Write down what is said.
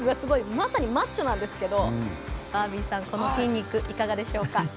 まさにマッチョなんですけどバービーさん、この筋肉いかがでしょうか？